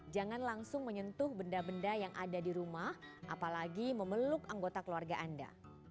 jangan langsung menyentuh benda benda yang ada di rumah apalagi memeluk anggota keluarga anda